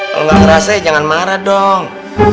kalau nggak ngerasa ya jangan marah dong